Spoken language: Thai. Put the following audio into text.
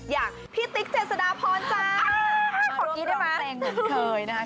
อย่างพี่ติ๊กเจษฎาพรจ้าอ้าวพอดีได้ไหมอ่าวกรี๊ดลองแสงเหมือนเคยนะคะ